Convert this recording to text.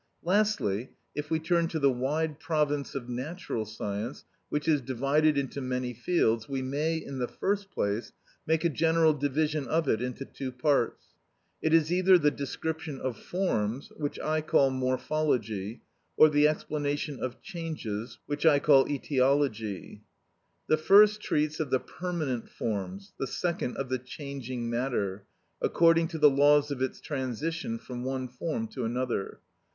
Lastly, if we turn to the wide province of natural science, which is divided into many fields, we may, in the first place, make a general division of it into two parts. It is either the description of forms, which I call Morphology, or the explanation of changes, which I call Etiology. The first treats of the permanent forms, the second of the changing matter, according to the laws of its transition from one form to another.